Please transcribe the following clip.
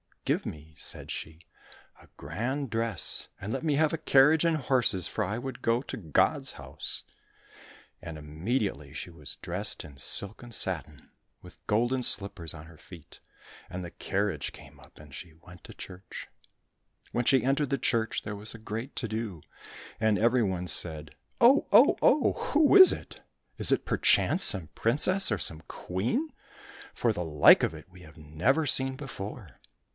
—'' Give me," said she, " a grand dress and let me have a carriage and horses, for I would go to God's House !"— And immediately she was dressed in silk and satin, with golden slippers on her feet, and the carriage came up and she went to church. 150 THE GOLDEN SLIPPER When she entered the church there was a great to do, and every one said, " Oh ! oh ! oh ! Who is it ? Is it perchance some princess or some queen ? for the Hke of it we have never seen before."